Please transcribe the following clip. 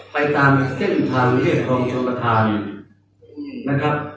ไปตามเส้นทางเรียกของจุมธาน